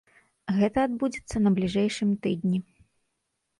Гэта адбудзецца на бліжэйшым тыдні.